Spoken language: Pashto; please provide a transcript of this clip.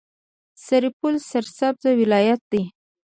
سرپل سرسبزه ولایت دی.